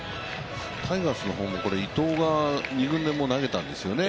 タイガースの方も伊藤が二軍でもう投げたんですよね。